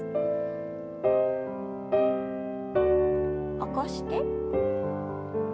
起こして。